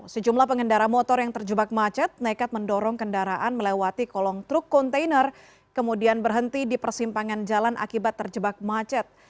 sejumlah pengendara motor yang terjebak macet nekat mendorong kendaraan melewati kolong truk kontainer kemudian berhenti di persimpangan jalan akibat terjebak macet